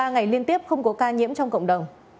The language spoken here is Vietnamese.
sáu mươi ba ngày liên tiếp không có ca nhiễm trong cộng đồng